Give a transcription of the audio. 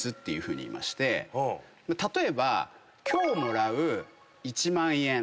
例えば今日もらう１万円。